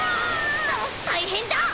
たいへんだ！